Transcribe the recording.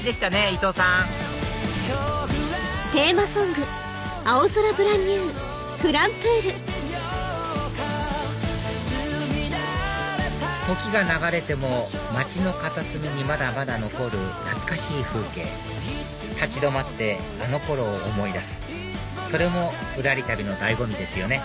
伊藤さん時が流れても街の片隅にまだまだ残る懐かしい風景立ち止まってあの頃を思い出すそれもぶらり旅の醍醐味ですよね